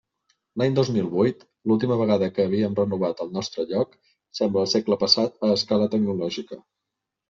L'any dos mil vuit, l'última vegada que havíem renovat el nostre lloc, sembla el segle passat a escala tecnològica.